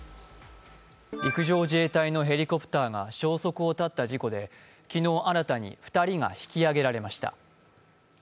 陸上自衛隊のヘリコプターが消息を絶った事故で昨日、新たに２人が引き揚げられました。